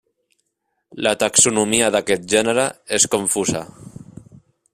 La taxonomia d'aquest gènere és confusa.